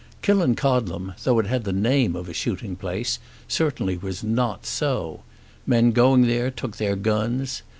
Killancodlem, though it had the name of a shooting place, certainly was not so. Men going there took their guns.